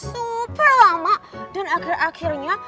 supaya lama dan akhir akhirnya